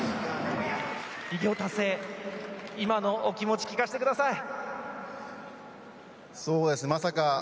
偉業達成、今のお気持ち聞かせてください。